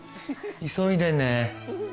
急いでね。